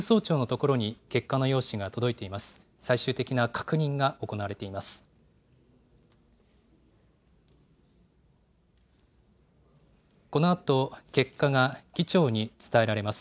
このあと結果が議長に伝えられます。